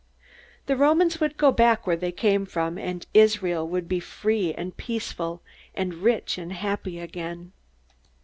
The Romans would go back where they came from, and Israel would be free and peaceful and rich and happy again.